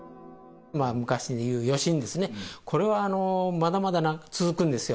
昔でいう余震ですね、これはまだまだ続くんですよ。